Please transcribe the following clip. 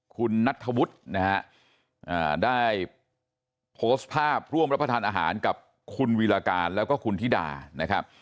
คุณนัทธวุฒินะฮะได้โพสต์ภาพร่วมรับประทานอาหารกับคุณวีราการแล้วก็คุณธิดานะครับ